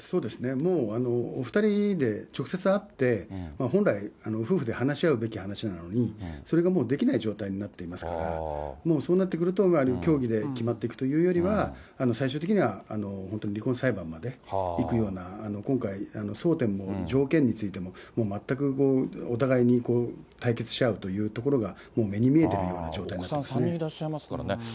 もう、お２人で直接会って、本来、夫婦で話し合うべき話なのに、それがもうできない状態になっていますから、もうそうなってくると、協議で決まっていくというよりは、最終的には本当に離婚裁判まで行くような、今回、争点も条件についても、全くお互いに対決し合うというところがもう目に見えているようなお子さん３人いらっしゃいますからね。